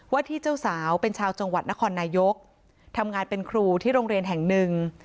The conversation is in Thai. ที่เจ้าสาวเป็นชาวจังหวัดนครนายกทำงานเป็นครูที่โรงเรียนแห่งหนึ่ง